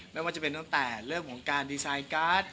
ไม่ว่าจะเป็นตั้งแต่เรื่องของการดีไซน์การ์ด